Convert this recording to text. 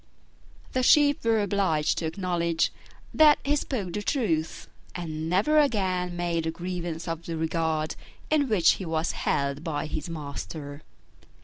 The Sheep were obliged to acknowledge that he spoke the truth, and never again made a grievance of the regard in which he was held by his master.